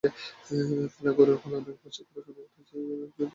ফলে গরু পালনের বার্ষিক খরচ অন্য এলাকার চেয়ে প্রায় অর্ধেক কমে আসে।